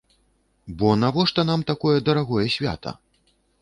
Бо навошта нам такое дарагое свята?